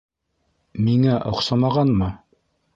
Миңә... оҡсамағанмы?